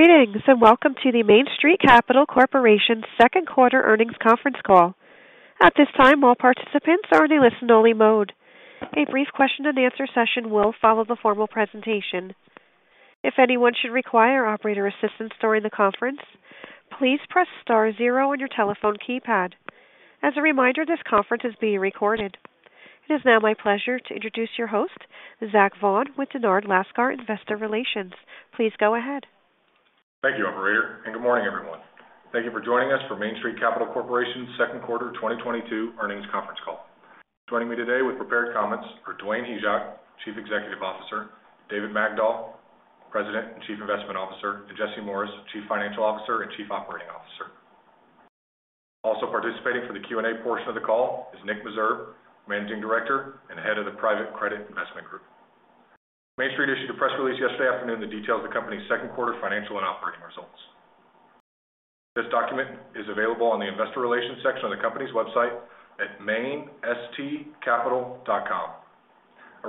Greetings, and welcome to the Main Street Capital Corporation second quarter earnings conference call. At this time, all participants are in a listen-only mode. A brief question and answer session will follow the formal presentation. If anyone should require operator assistance during the conference, please press star zero on your telephone keypad. As a reminder, this conference is being recorded. It is now my pleasure to introduce your host, Zach Vaughan with Dennard Lascar Investor Relations. Please go ahead. Thank you, operator, and good morning, everyone. Thank you for joining us for Main Street Capital Corporation second quarter 2022 earnings conference call. Joining me today with prepared comments are Dwayne Hyzak, Chief Executive Officer, David Magdol, President and Chief Investment Officer, and Jesse Morris, Chief Financial Officer and Chief Operating Officer. Also participating for the Q&A portion of the call is Nick Meserve, Managing Director and Head of the Private Credit Investment Group. Main Street issued a press release yesterday afternoon that details the company's second quarter financial and operating results. This document is available on the investor relations section of the company's website at mainstcapital.com.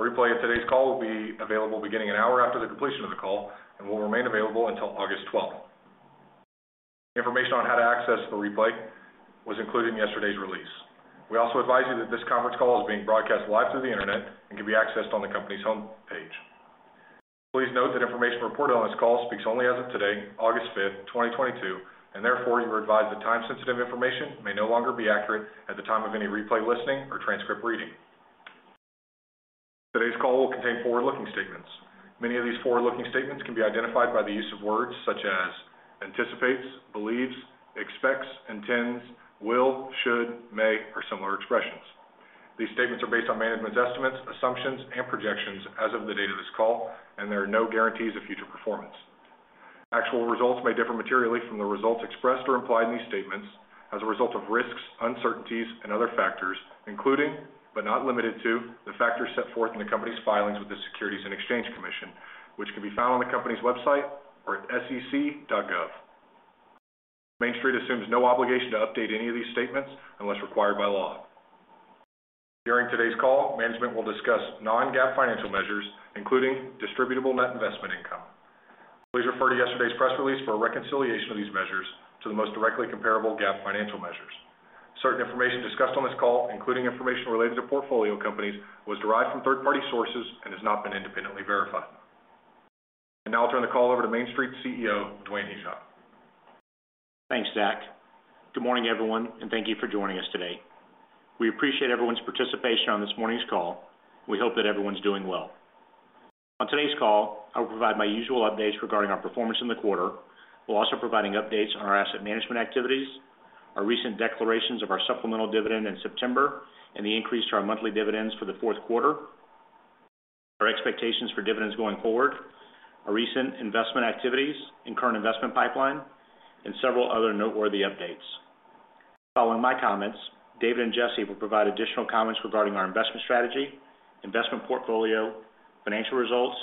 A replay of today's call will be available beginning an hour after the completion of the call and will remain available until August 12. Information on how to access the replay was included in yesterday's release. We also advise you that this conference call is being broadcast live through the Internet and can be accessed on the company's homepage. Please note that information reported on this call speaks only as of today, August 5th, 2022, and therefore you are advised that time-sensitive information may no longer be accurate at the time of any replay listening or transcript reading. Today's call will contain forward-looking statements. Many of these forward-looking statements can be identified by the use of words such as anticipates, believes, expects, intends, will, should, may, or similar expressions. These statements are based on management's estimates, assumptions, and projections as of the date of this call, and there are no guarantees of future performance. Actual results may differ materially from the results expressed or implied in these statements as a result of risks, uncertainties, and other factors, including, but not limited to, the factors set forth in the company's filings with the Securities and Exchange Commission, which can be found on the company's website or at sec.gov. Main Street assumes no obligation to update any of these statements unless required by law. During today's call, management will discuss non-GAAP financial measures, including distributable net investment income. Please refer to yesterday's press release for a reconciliation of these measures to the most directly comparable GAAP financial measures. Certain information discussed on this call, including information related to portfolio companies, was derived from third-party sources and has not been independently verified. Now I'll turn the call over to Main Street CEO, Dwayne Hyzak. Thanks, Zach. Good morning, everyone, and thank you for joining us today. We appreciate everyone's participation on this morning's call. We hope that everyone's doing well. On today's call, I will provide my usual updates regarding our performance in the quarter, while also providing updates on our asset management activities, our recent declarations of our supplemental dividend in September and the increase to our monthly dividends for the fourth quarter, our expectations for dividends going forward, our recent investment activities and current investment pipeline, and several other noteworthy updates. Following my comments, Dave and Jesse will provide additional comments regarding our investment strategy, investment portfolio, financial results,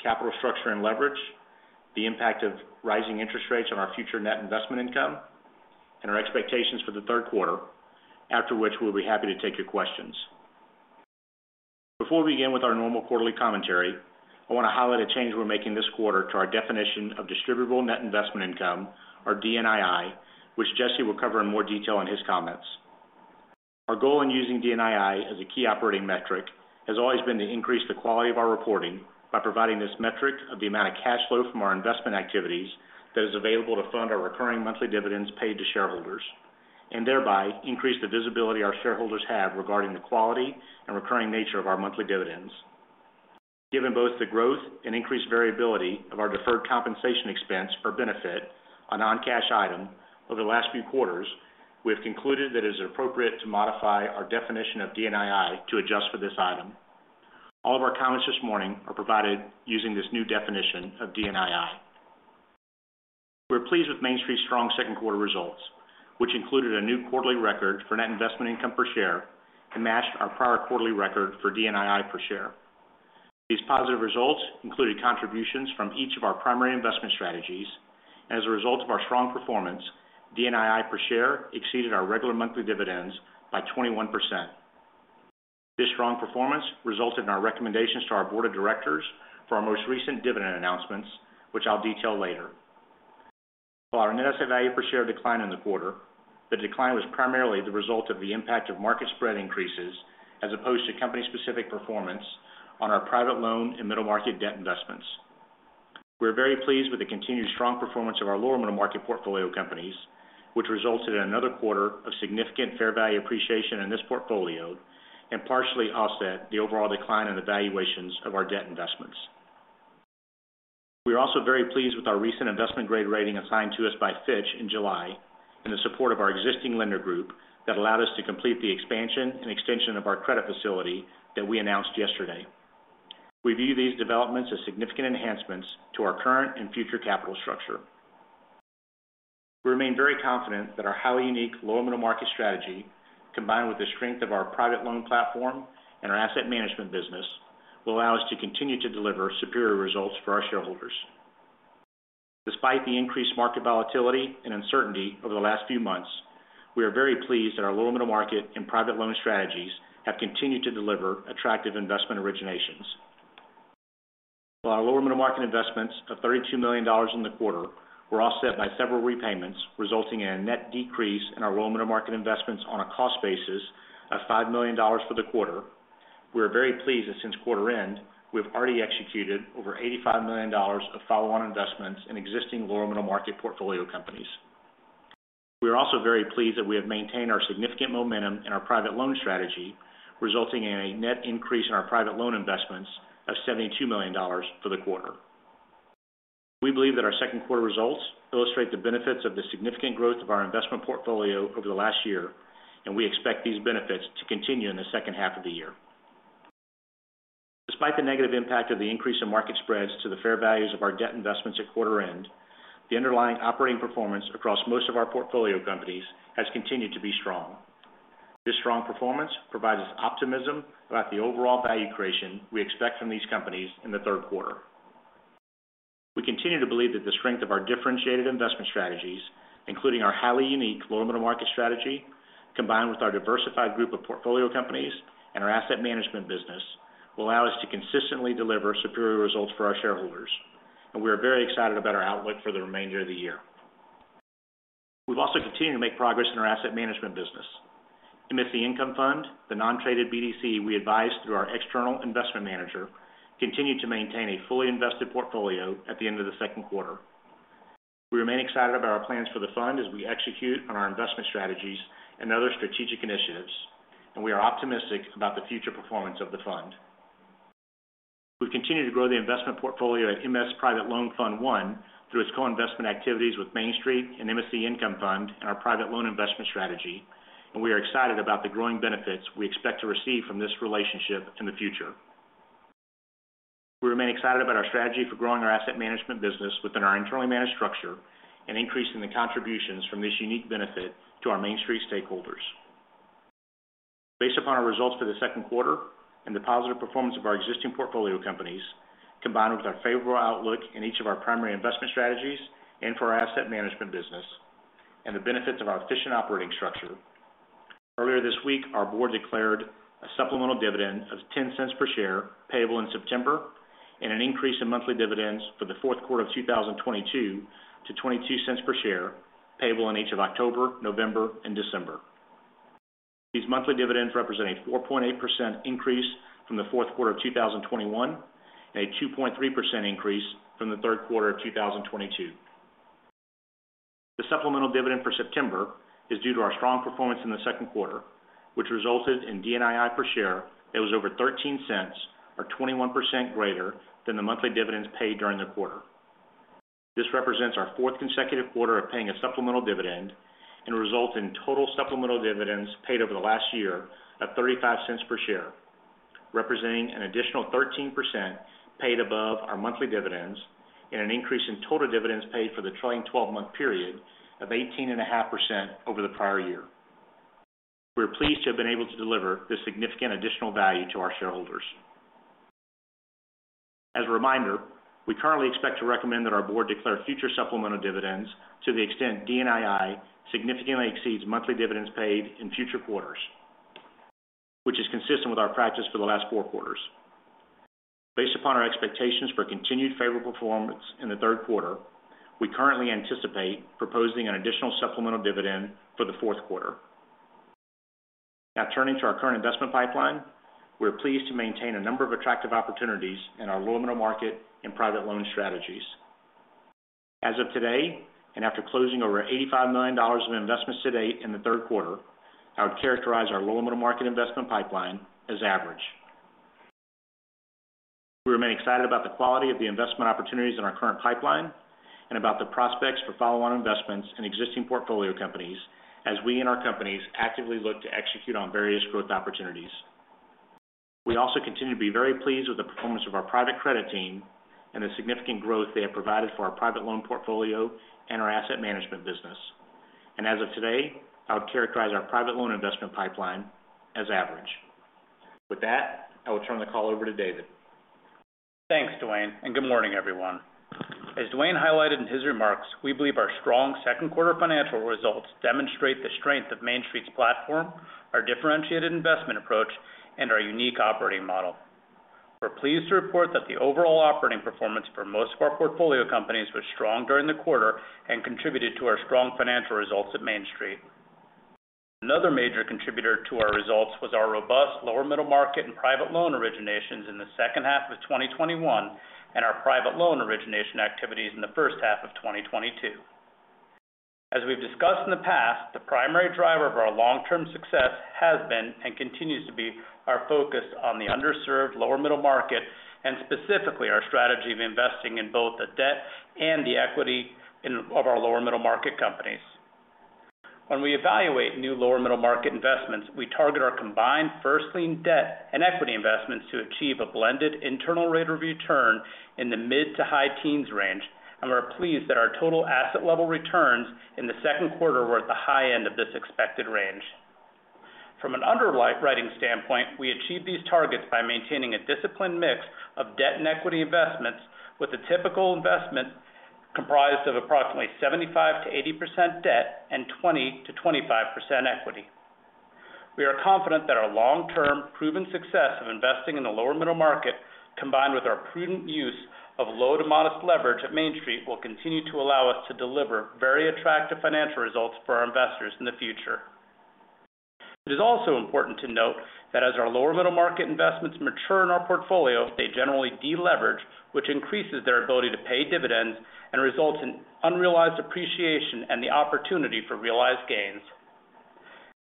capital structure and leverage, the impact of rising interest rates on our future net investment income, and our expectations for the third quarter. After which, we'll be happy to take your questions. Before we begin with our normal quarterly commentary, I want to highlight a change we're making this quarter to our definition of distributable net investment income or DNII, which Jesse will cover in more detail in his comments. Our goal in using DNII as a key operating metric has always been to increase the quality of our reporting by providing this metric of the amount of cash flow from our investment activities that is available to fund our recurring monthly dividends paid to shareholders, and thereby increase the visibility our shareholders have regarding the quality and recurring nature of our monthly dividends. Given both the growth and increased variability of our deferred compensation expense or benefit, a non-cash item over the last few quarters, we have concluded that it is appropriate to modify our definition of DNII to adjust for this item. All of our comments this morning are provided using this new definition of DNII. We're pleased with Main Street's strong second quarter results, which included a new quarterly record for net investment income per share and matched our prior quarterly record for DNII per share. These positive results included contributions from each of our primary investment strategies. As a result of our strong performance, DNII per share exceeded our regular monthly dividends by 21%. This strong performance resulted in our recommendations to our board of directors for our most recent dividend announcements, which I'll detail later. While our net asset value per share declined in the quarter, the decline was primarily the result of the impact of market spread increases as opposed to company-specific performance on our private loan and middle-market debt investments. We're very pleased with the continued strong performance of our lower middle market portfolio companies, which resulted in another quarter of significant fair value appreciation in this portfolio and partially offset the overall decline in the valuations of our debt investments. We are also very pleased with our recent investment-grade rating assigned to us by Fitch in July and the support of our existing lender group that allowed us to complete the expansion and extension of our credit facility that we announced yesterday. We view these developments as significant enhancements to our current and future capital structure. We remain very confident that our highly unique lower middle market strategy, combined with the strength of our private loan platform and our asset management business, will allow us to continue to deliver superior results for our shareholders. Despite the increased market volatility and uncertainty over the last few months. We are very pleased that our lower middle market and private loan strategies have continued to deliver attractive investment originations. While our lower middle market investments of $32 million in the quarter were offset by several repayments, resulting in a net decrease in our lower middle market investments on a cost basis of $5 million for the quarter, we are very pleased that since quarter end, we have already executed over $85 million of follow-on investments in existing lower middle market portfolio companies. We are also very pleased that we have maintained our significant momentum in our private loan strategy, resulting in a net increase in our private loan investments of $72 million for the quarter. We believe that our second quarter results illustrate the benefits of the significant growth of our investment portfolio over the last year, and we expect these benefits to continue in the second half of the year. Despite the negative impact of the increase in market spreads to the fair values of our debt investments at quarter end, the underlying operating performance across most of our portfolio companies has continued to be strong. This strong performance provides us optimism about the overall value creation we expect from these companies in the third quarter. We continue to believe that the strength of our differentiated investment strategies, including our highly unique lower middle market strategy, combined with our diversified group of portfolio companies and our asset management business, will allow us to consistently deliver superior results for our shareholders, and we are very excited about our outlook for the remainder of the year. We've also continued to make progress in our asset management business. MSC Income Fund, the non-traded BDC we advise through our external investment manager, continued to maintain a fully invested portfolio at the end of the second quarter. We remain excited about our plans for the fund as we execute on our investment strategies and other strategic initiatives, and we are optimistic about the future performance of the fund. We've continued to grow the investment portfolio at MS Private Loan Fund I through its co-investment activities with Main Street and MSC Income Fund and our private loan investment strategy, and we are excited about the growing benefits we expect to receive from this relationship in the future. We remain excited about our strategy for growing our asset management business within our internally managed structure and increasing the contributions from this unique benefit to our Main Street stakeholders. Based upon our results for the second quarter and the positive performance of our existing portfolio companies, combined with our favorable outlook in each of our primary investment strategies and for our asset management business, and the benefits of our efficient operating structure, earlier this week, our board declared a supplemental dividend of $0.10 per share payable in September and an increase in monthly dividends for the fourth quarter of 2022 to $0.22 per share payable in each of October, November, and December. These monthly dividends represent a 4.8% increase from the fourth quarter of 2021 and a 2.3% increase from the third quarter of 2022. The supplemental dividend for September is due to our strong performance in the second quarter, which resulted in DNII per share that was over $0.13 or 21% greater than the monthly dividends paid during the quarter. This represents our fourth consecutive quarter of paying a supplemental dividend and result in total supplemental dividends paid over the last year of $0.35 per share, representing an additional 13% paid above our monthly dividends and an increase in total dividends paid for the trailing 12-month period of 18.5% over the prior year. We're pleased to have been able to deliver this significant additional value to our shareholders. As a reminder, we currently expect to recommend that our board declare future supplemental dividends to the extent DNII significantly exceeds monthly dividends paid in future quarters, which is consistent with our practice for the last four quarters. Based upon our expectations for continued favorable performance in the third quarter, we currently anticipate proposing an additional supplemental dividend for the fourth quarter. Now turning to our current investment pipeline. We're pleased to maintain a number of attractive opportunities in our lower middle market and private loan strategies. As of today, and after closing over $85 million of investments to date in the third quarter, I would characterize our lower middle market investment pipeline as average. We remain excited about the quality of the investment opportunities in our current pipeline and about the prospects for follow-on investments in existing portfolio companies as we and our companies actively look to execute on various growth opportunities. We also continue to be very pleased with the performance of our private credit team and the significant growth they have provided for our private loan portfolio and our asset management business. As of today, I would characterize our private loan investment pipeline as average. With that, I will turn the call over to David. Thanks, Dwayne, and good morning, everyone. As Dwayne highlighted in his remarks, we believe our strong second quarter financial results demonstrate the strength of Main Street's platform, our differentiated investment approach, and our unique operating model. We're pleased to report that the overall operating performance for most of our portfolio companies was strong during the quarter and contributed to our strong financial results at Main Street. Another major contributor to our results was our robust lower middle market and private loan originations in the second half of 2021, and our private loan origination activities in the first half of 2022. As we've discussed in the past, the primary driver of our long-term success has been and continues to be our focus on the underserved lower middle market, and specifically our strategy of investing in both the debt and the equity of our lower middle market companies. When we evaluate new lower middle market investments, we target our combined first lien debt and equity investments to achieve a blended internal rate of return in the mid- to high-teens range, and we're pleased that our total asset level returns in the second quarter were at the high end of this expected range. From an underwriting standpoint, we achieve these targets by maintaining a disciplined mix of debt and equity investments with a typical investment comprised of approximately 75%-80% debt and 20%-25% equity. We are confident that our long-term proven success of investing in the lower middle market, combined with our prudent use of low to modest leverage at Main Street, will continue to allow us to deliver very attractive financial results for our investors in the future. It is also important to note that as our lower middle market investments mature in our portfolio, they generally de-leverage, which increases their ability to pay dividends and results in unrealized appreciation and the opportunity for realized gains.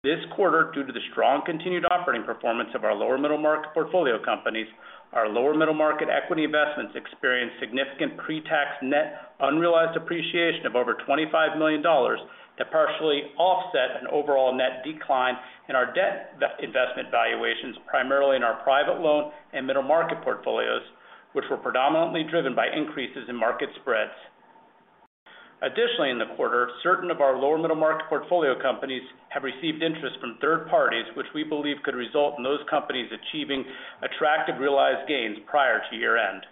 This quarter, due to the strong continued operating performance of our lower middle market portfolio companies, our lower middle market equity investments experienced significant pre-tax net unrealized appreciation of over $25 million that partially offset an overall net decline in our debt investment valuations, primarily in our private loan and middle market portfolios, which were predominantly driven by increases in market spreads. Additionally, in the quarter, certain of our lower middle market portfolio companies have received interest from third parties, which we believe could result in those companies achieving attractive realized gains prior to year-end.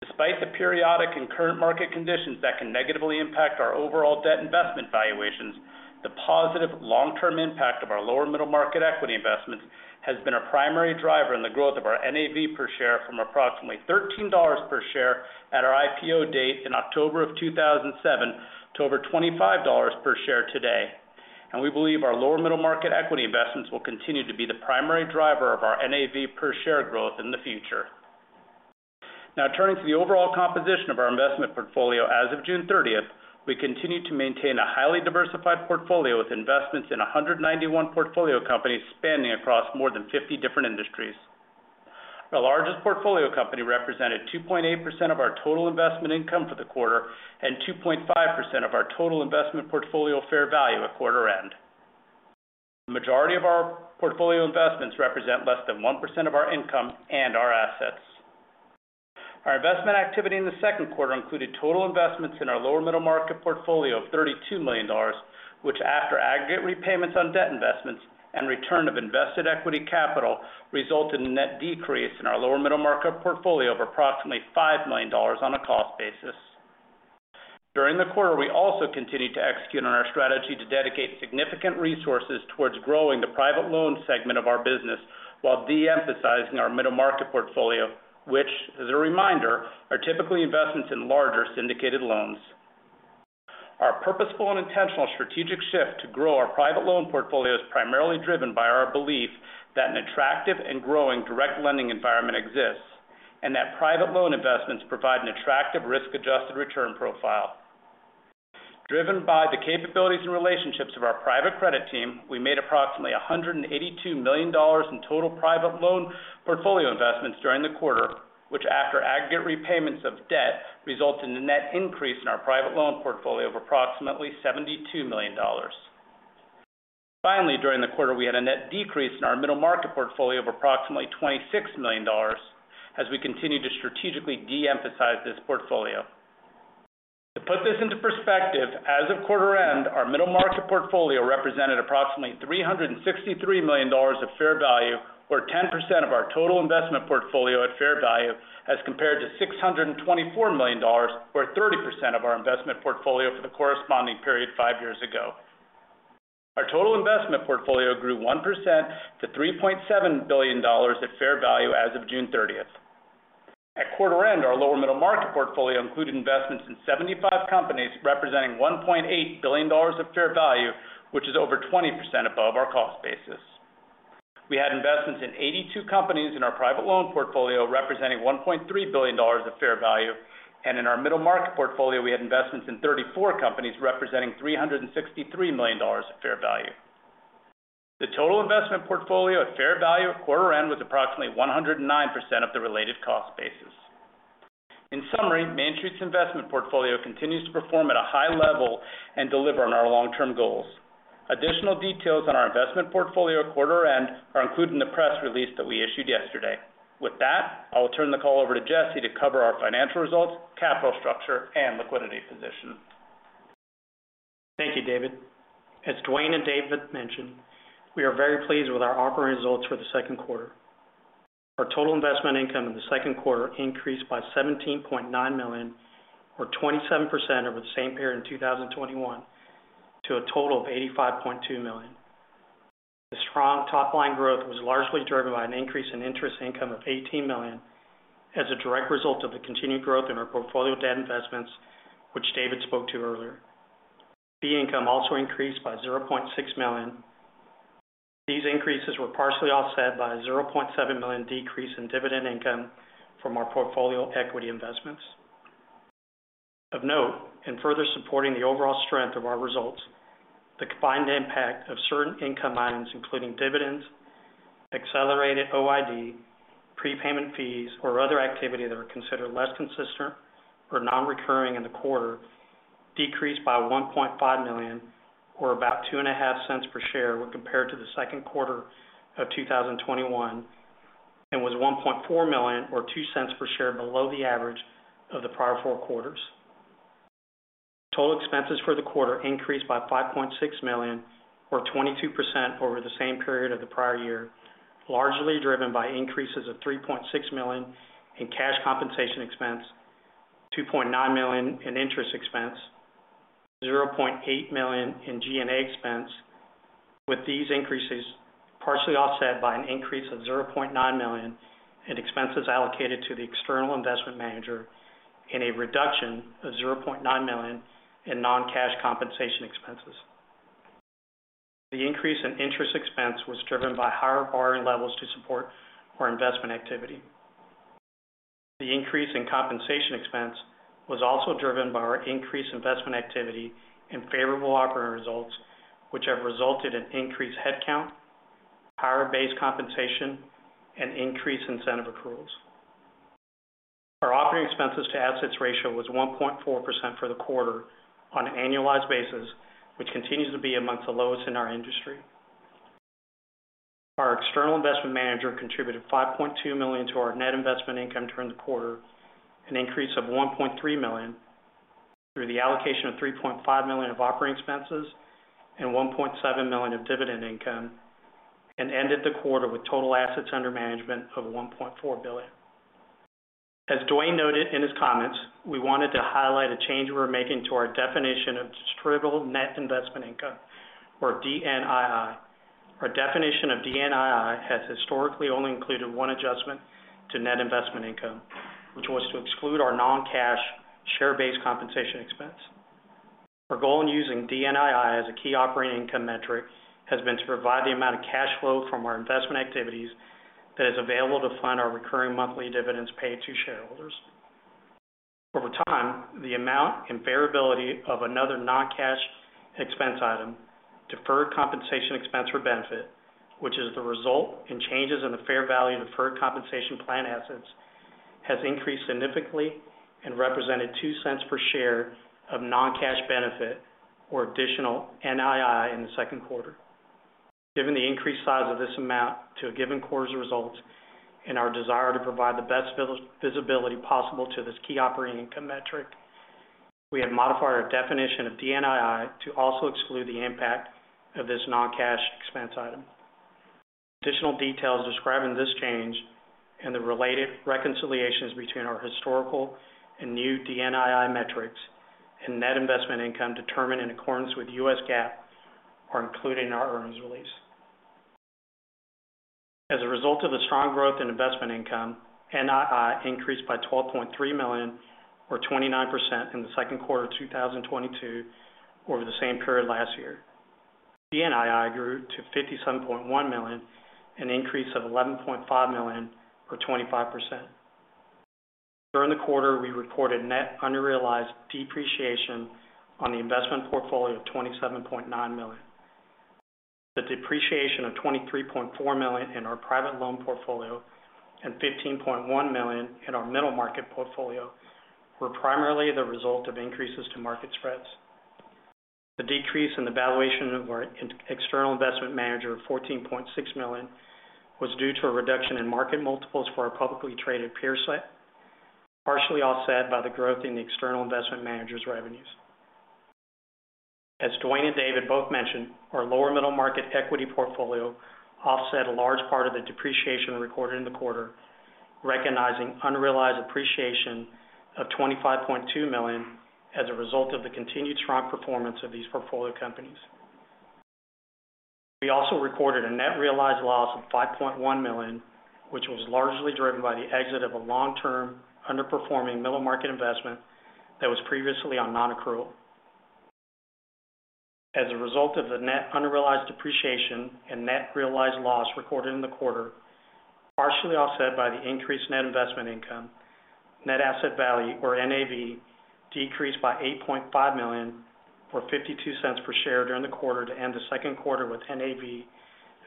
Despite the periodic and current market conditions that can negatively impact our overall debt investment valuations, the positive long-term impact of our lower middle market equity investments has been a primary driver in the growth of our NAV per share from approximately $13 per share at our IPO date in October of 2007 to over $25 per share today. We believe our lower middle market equity investments will continue to be the primary driver of our NAV per share growth in the future. Now turning to the overall composition of our investment portfolio. As of June 30th, we continue to maintain a highly diversified portfolio with investments in 191 portfolio companies spanning across more than 50 different industries. The largest portfolio company represented 2.8% of our total investment income for the quarter and 2.5% of our total investment portfolio fair value at quarter end. Majority of our portfolio investments represent less than 1% of our income and our assets. Our investment activity in the second quarter included total investments in our lower middle market portfolio of $32 million, which, after aggregate repayments on debt investments and return of invested equity capital, result in a net decrease in our lower middle market portfolio of approximately $5 million on a cost basis. During the quarter, we also continued to execute on our strategy to dedicate significant resources towards growing the private loan segment of our business while de-emphasizing our middle market portfolio, which, as a reminder, are typically investments in larger syndicated loans. Our purposeful and intentional strategic shift to grow our private loan portfolio is primarily driven by our belief that an attractive and growing direct lending environment exists, and that private loan investments provide an attractive risk-adjusted return profile. Driven by the capabilities and relationships of our private credit team, we made approximately $182 million in total private loan portfolio investments during the quarter, which, after aggregate repayments of debt, result in a net increase in our private loan portfolio of approximately $72 million. Finally, during the quarter, we had a net decrease in our middle market portfolio of approximately $26 million as we continue to strategically de-emphasize this portfolio. To put this into perspective, as of quarter end, our middle market portfolio represented approximately $363 million of fair value, or 10% of our total investment portfolio at fair value, as compared to $624 million, or 30% of our investment portfolio for the corresponding period five years ago. Our total investment portfolio grew 1% to $3.7 billion at fair value as of June 30th. At quarter end, our lower middle market portfolio included investments in 75 companies representing $1.8 billion of fair value, which is over 20% above our cost basis. We had investments in 82 companies in our private loan portfolio representing $1.3 billion of fair value. In our middle market portfolio, we had investments in 34 companies representing $363 million of fair value. The total investment portfolio at fair value at quarter end was approximately 109% of the related cost basis. In summary, Main Street's investment portfolio continues to perform at a high level and deliver on our long-term goals. Additional details on our investment portfolio at quarter end are included in the press release that we issued yesterday. With that, I will turn the call over to Jesse to cover our financial results, capital structure, and liquidity position. Thank you, David. As Dwayne and David mentioned, we are very pleased with our operating results for the second quarter. Our total investment income in the second quarter increased by $17.9 million, or 27%, over the same period in 2021 to a total of $85.2 million. The strong top-line growth was largely driven by an increase in interest income of $18 million as a direct result of the continued growth in our portfolio debt investments, which David spoke to earlier. Fee income also increased by $0.6 million. These increases were partially offset by a $0.7 million decrease in dividend income from our portfolio equity investments. Of note, in further supporting the overall strength of our results, the combined impact of certain income items, including dividends, accelerated OID, prepayment fees, or other activity that were considered less consistent or non-recurring in the quarter decreased by $1.5 million or about $0.025 per share when compared to the second quarter of 2021 and was $1.4 million or $0.02 per share below the average of the prior four quarters. Total expenses for the quarter increased by $5.6 million, or 22% over the same period of the prior year, largely driven by increases of $3.6 million in cash compensation expense, $2.9 million in interest expense, $0.8 million in G&A expense, with these increases partially offset by an increase of $0.9 million in expenses allocated to the external investment manager and a reduction of $0.9 million in non-cash compensation expenses. The increase in interest expense was driven by higher borrowing levels to support our investment activity. The increase in compensation expense was also driven by our increased investment activity and favorable operating results, which have resulted in increased headcount, higher base compensation, and increased incentive accruals. Our operating expenses to assets ratio was 1.4% for the quarter on an annualized basis, which continues to be among the lowest in our industry. Our external investment manager contributed $5.2 million to our net investment income during the quarter, an increase of $1.3 million through the allocation of $3.5 million of operating expenses and $1.7 million of dividend income, and ended the quarter with total assets under management of $1.4 billion. As Dwayne noted in his comments, we wanted to highlight a change we're making to our definition of distributable net investment income, or DNII. Our definition of DNII has historically only included one adjustment to net investment income, which was to exclude our non-cash share-based compensation expense. Our goal in using DNII as a key operating income metric has been to provide the amount of cash flow from our investment activities that is available to fund our recurring monthly dividends paid to shareholders. Over time, the amount and variability of another non-cash expense item, deferred compensation expense or benefit, which is the resulting in changes in the fair value of deferred compensation plan assets, has increased significantly and represented $0.02 per share of non-cash benefit or additional NII in the second quarter. Given the increased size of this amount to a given quarter's results and our desire to provide the best visibility possible to this key operating income metric, we have modified our definition of DNII to also exclude the impact of this non-cash expense item. Additional details describing this change and the related reconciliations between our historical and new DNII metrics and net investment income determined in accordance with U.S. GAAP are included in our earnings release. As a result of the strong growth in investment income, NII increased by $12.3 million or 29% in the second quarter of 2022 over the same period last year. DNII grew to $57.1 million, an increase of $11.5 million or 25%. During the quarter, we reported net unrealized depreciation on the investment portfolio of $27.9 million. The depreciation of $23.4 million in our private loan portfolio and $15.1 million in our middle market portfolio were primarily the result of increases to market spreads. The decrease in the valuation of our external investment manager of $14.6 million was due to a reduction in market multiples for our publicly traded peer set, partially offset by the growth in the external investment manager's revenues. As Dwayne and David both mentioned, our lower middle market equity portfolio offset a large part of the depreciation recorded in the quarter, recognizing unrealized appreciation of $25.2 million as a result of the continued strong performance of these portfolio companies. We also recorded a net realized loss of $5.1 million, which was largely driven by the exit of a long-term underperforming middle market investment that was previously on non-accrual. As a result of the net unrealized depreciation and net realized loss recorded in the quarter, partially offset by the increased net investment income, net asset value, or NAV, decreased by $8.5 million, or $0.52 per share during the quarter to end the second quarter with NAV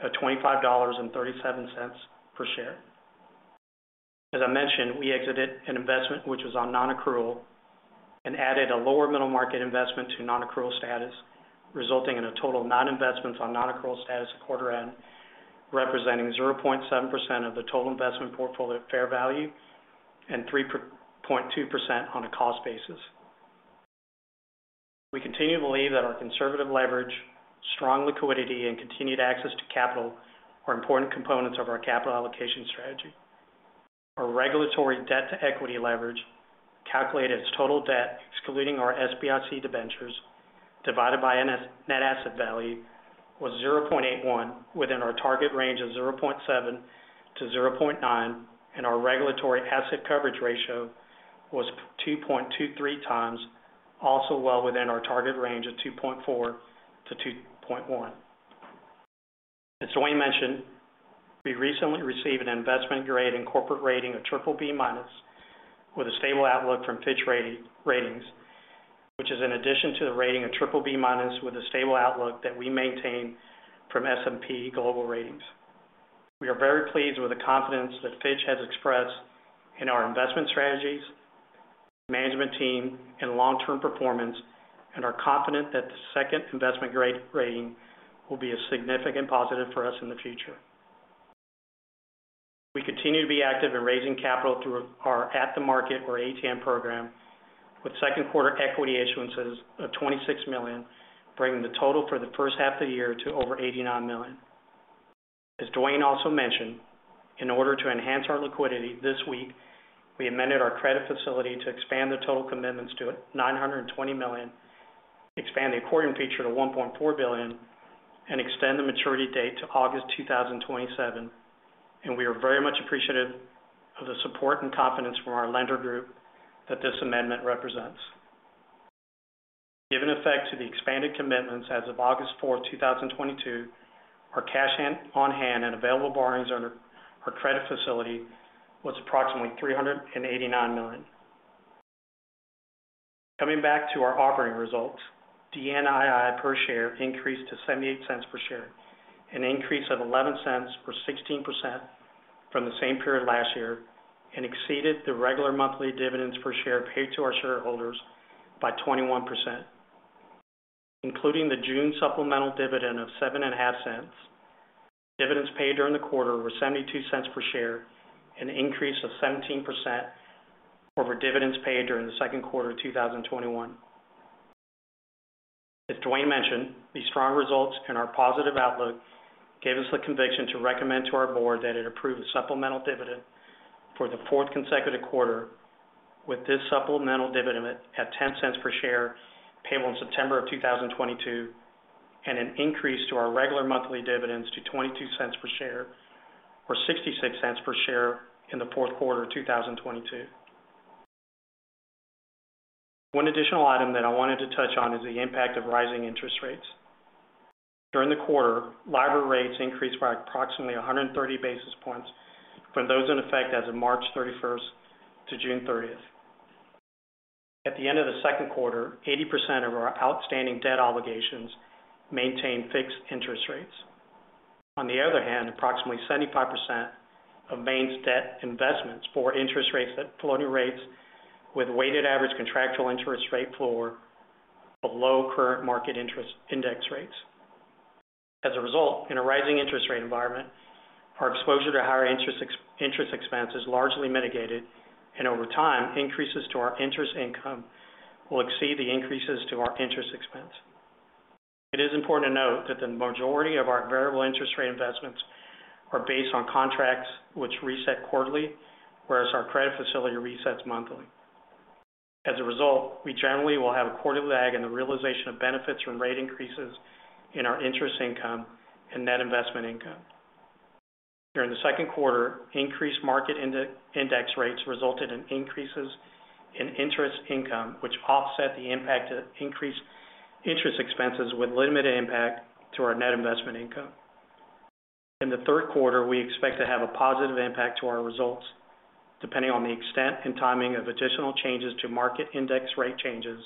at $25.37 per share. As I mentioned, we exited an investment which was on non-accrual and added a lower middle market investment to non-accrual status, resulting in a total of nine investments on non-accrual status at quarter end, representing 0.7% of the total investment portfolio fair value and 3.2% on a cost basis. We continue to believe that our conservative leverage, strong liquidity, and continued access to capital are important components of our capital allocation strategy. Our regulatory debt-to-equity leverage, calculated as total debt excluding our SBIC debentures divided by Net Asset Value, was 0.81x within our target range of 0.7x-0.9x, and our regulatory asset coverage ratio was 2.23x, also well within our target range of 2.4x-2.1x. Dwayne mentioned, we recently received an investment grade and corporate rating of BBB- with a stable outlook from Fitch Ratings, which is in addition to the rating of BBB- with a stable outlook that we maintain from S&P Global Ratings. We are very pleased with the confidence that Fitch has expressed in our investment strategies, management team, and long-term performance, and are confident that the second investment grade rating will be a significant positive for us in the future. We continue to be active in raising capital through our at-the-market or ATM program with second quarter equity issuances of $26 million, bringing the total for the first half of the year to over $89 million. As Dwayne also mentioned, in order to enhance our liquidity this week, we amended our credit facility to expand the total commitments to $920 million, expand the accordion feature to $1.4 billion, and extend the maturity date to August 2027, and we are very much appreciative of the support and confidence from our lender group that this amendment represents. Given effect to the expanded commitments as of August 4, 2022, our cash on hand and available borrowings under our credit facility was approximately $389 million. Coming back to our offering results, DNII per share increased to $0.78 per share, an increase of $0.11 or 16% from the same period last year, and exceeded the regular monthly dividends per share paid to our shareholders by 21%. Including the June supplemental dividend of $0.075, dividends paid during the quarter were $0.72 per share, an increase of 17% over dividends paid during the second quarter of 2021. As Dwayne mentioned, these strong results and our positive outlook gave us the conviction to recommend to our board that it approve a supplemental dividend for the fourth consecutive quarter with this supplemental dividend at $0.10 per share payable in September of 2022, and an increase to our regular monthly dividends to $0.22 per share or $0.66 per share in the fourth quarter of 2022. One additional item that I wanted to touch on is the impact of rising interest rates. During the quarter, LIBOR rates increased by approximately 130 basis points from those in effect as of March 31st to June 30th. At the end of the second quarter, 80% of our outstanding debt obligations maintain fixed interest rates. On the other hand, approximately 75% of Main's debt investments for interest rates at floating rates with weighted average contractual interest rate floor below current market interest index rates. As a result, in a rising interest rate environment, our exposure to higher interest expense is largely mitigated, and over time, increases to our interest income will exceed the increases to our interest expense. It is important to note that the majority of our variable interest rate investments are based on contracts which reset quarterly, whereas our credit facility resets monthly. As a result, we generally will have a quarter lag in the realization of benefits from rate increases in our interest income and net investment income. During the second quarter, increased market index rates resulted in increases in interest income, which offset the impact of increased interest expenses with limited impact to our net investment income. In the third quarter, we expect to have a positive impact to our results, depending on the extent and timing of additional changes to market index rate changes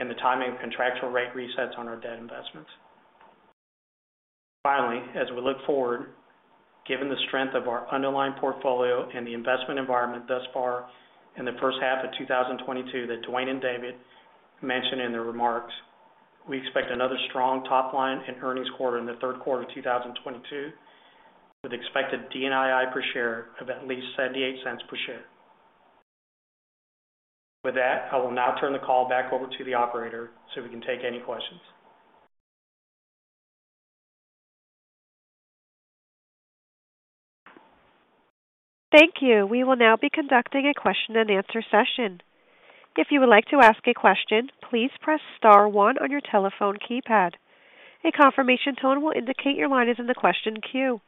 and the timing of contractual rate resets on our debt investments. Finally, as we look forward, given the strength of our underlying portfolio and the investment environment thus far in the first half of 2022 that Dwayne and David mentioned in their remarks, we expect another strong topline earnings quarter in the third quarter of 2022, with expected DNII per share of at least $0.78 per share. With that, I will now turn the call back over to the operator so we can take any questions. Thank you. We will now be conducting a question and answer session. If you would like to ask a question, please press star one on your telephone keypad. A confirmation tone will indicate your line is in the question queue.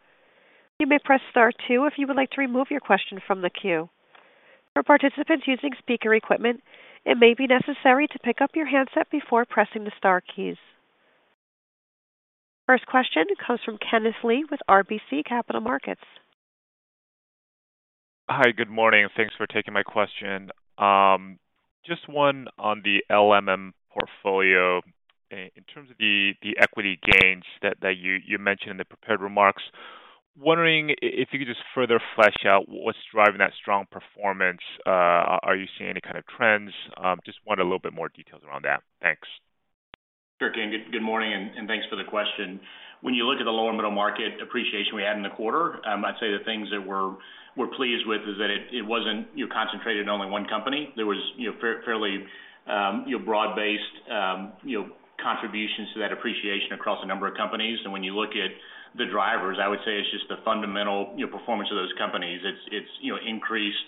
You may press star two if you would like to remove your question from the queue. For participants using speaker equipment, it may be necessary to pick up your handset before pressing the star keys. First question comes from Kenneth Lee with RBC Capital Markets. Hi, good morning, and thanks for taking my question. Just one on the LMM portfolio. In terms of the equity gains that you mentioned in the prepared remarks, wondering if you could just further flesh out what's driving that strong performance. Are you seeing any kind of trends? Just want a little bit more details around that. Thanks. Sure, Ken. Good morning, and thanks for the question. When you look at the lower middle market appreciation we had in the quarter, I'd say the things that we're pleased with is that it wasn't, you know, concentrated in only one company. There was, you know, fairly, you know, broad-based, you know, contributions to that appreciation across a number of companies. When you look at the drivers, I would say it's just the fundamental, you know, performance of those companies. It's, you know, increased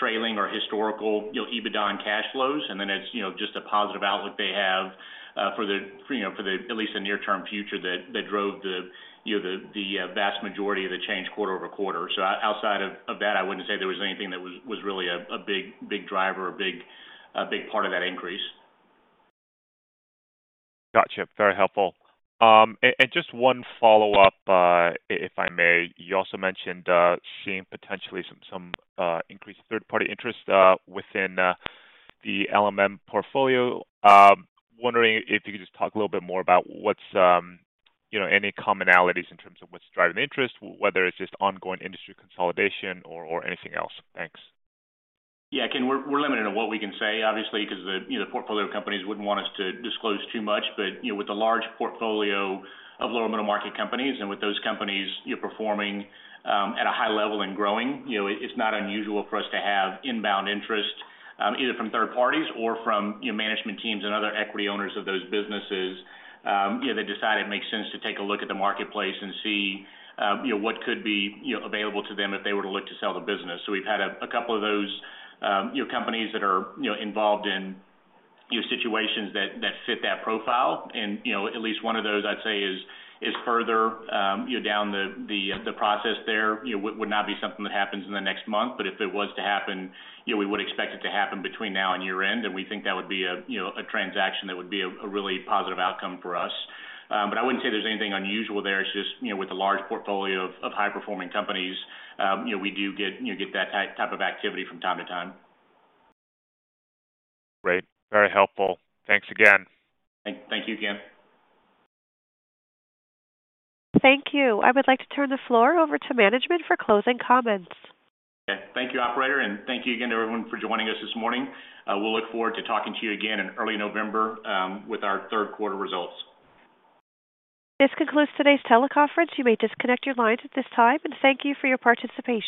trailing or historical, you know, EBITDA and cash flows, and then it's, you know, just a positive outlook they have for the, you know, for the at least the near-term future that drove the, you know, the vast majority of the change quarter-over-quarter. Outside of that, I wouldn't say there was anything that was really a big driver or a big part of that increase. Gotcha. Very helpful. Just one follow-up, if I may. You also mentioned seeing potentially some increased third-party interest within the LMM portfolio. Wondering if you could just talk a little bit more about what's you know any commonalities in terms of what's driving interest, whether it's just ongoing industry consolidation or anything else. Thanks. Yeah. Ken, we're limited on what we can say, obviously, because you know, the portfolio companies wouldn't want us to disclose too much. You know, with the large portfolio of lower middle market companies and with those companies, you know, performing at a high level and growing, you know, it's not unusual for us to have inbound interest, either from third parties or from, you know, management teams and other equity owners of those businesses, you know, that decide it makes sense to take a look at the marketplace and see, you know, what could be, you know, available to them if they were to look to sell the business. We've had a couple of those, you know, companies that are, you know, involved in, you know, situations that fit that profile. You know, at least one of those I'd say is further, you know, down the process there. You know, would not be something that happens in the next month. But if it was to happen, you know, we would expect it to happen between now and year-end, and we think that would be a transaction that would be a really positive outcome for us. But I wouldn't say there's anything unusual there. It's just, you know, with the large portfolio of high-performing companies, you know, we do get that type of activity from time to time. Great. Very helpful. Thanks again. Thank you, Ken. Thank you. I would like to turn the floor over to management for closing comments. Okay. Thank you, operator, and thank you again to everyone for joining us this morning. We'll look forward to talking to you again in early November, with our third quarter results. This concludes today's teleconference. You may disconnect your lines at this time, and thank you for your participation.